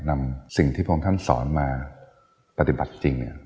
นำสิ่งที่พระองค์ท่านสอนมาปฏิบัติจริง